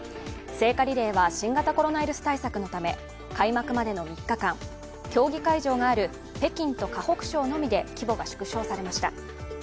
聖火リレーは新型コロナウイルス対策のため、開幕までの３日間競技会場のある北京と河北省のみで規模が縮小されました。